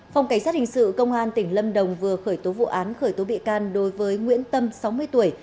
phòng cảnh sát hình sự công an tỉnh lâm đồng vừa khởi tố vụ án khởi tố bị can đối với nguyễn tâm sáu mươi tuổi